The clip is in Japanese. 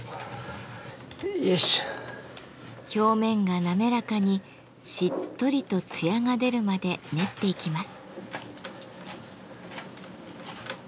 表面が滑らかにしっとりとつやが出るまで練っていきます。